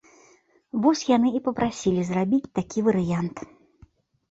Вось яны і папрасілі зрабіць такі варыянт.